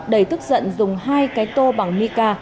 đầy thức giận dùng hai cái tô bằng mica